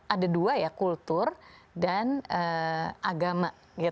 ada dua ya kultur dan agama